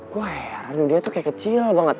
gue heran dia tuh kayak kecil banget